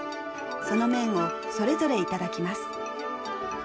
その麺をそれぞれ頂きます。